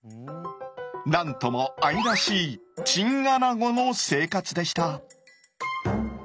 何とも愛らしいチンアナゴの生活でした！